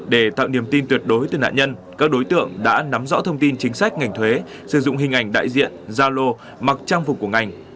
để tạo niềm tin tuyệt đối từ nạn nhân các đối tượng đã nắm rõ thông tin chính sách ngành thuế sử dụng hình ảnh đại diện gia lô mặc trang phục của ngành